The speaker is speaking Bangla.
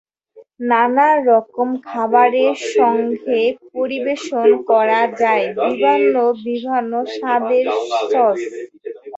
নানা রকম খাবারের সঙ্গে পরিবেশন করা যায় ভিন্ন ভিন্ন স্বাদের সস।